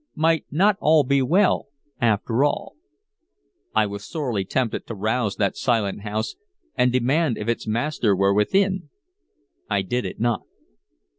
Might not all be well, after all? I was sorely tempted to rouse that silent house and demand if its master were within. I did it not.